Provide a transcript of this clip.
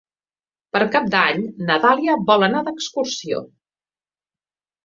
Per Cap d'Any na Dàlia vol anar d'excursió.